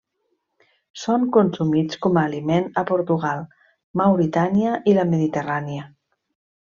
Són consumits com a aliment a Portugal, Mauritània i la Mediterrània.